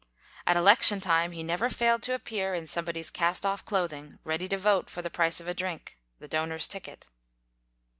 At election time, he never failed to appear in somebody's cast off clothing, ready to vote, for the price of a drink, the donor's ticket.